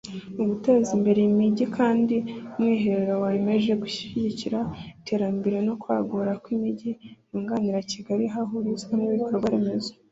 Mu guteza imbere imijyi kandi Umwiherero wemeje gushyigikira iterambere no kwaguka kw’imijyi yunganira Kigali hahurizwa ibikorwa remezo